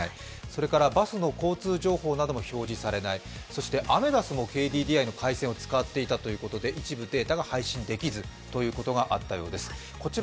それからバスの交通情報なども表示されない、そしてアメダスもＫＤＤＩの回戦を使っていたということで、一部データが配信できずということがあったそうです。